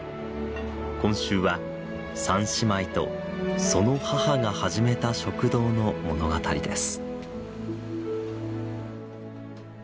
今週は三姉妹とその母が始めた食堂の物語です。